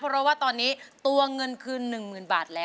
เพราะว่าตอนนี้ตัวเงินคืน๑๐๐๐บาทแล้ว